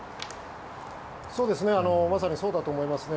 まさにそうだと思いますね。